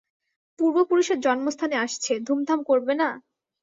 পূর্বপুরুষের জন্মস্থানে আসছে, ধুমধাম করবে না?